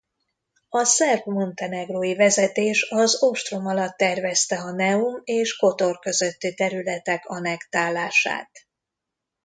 A szerb-montenegrói vezetés az ostrom alatt tervezte a Neum és Kotor közötti területek annektálását.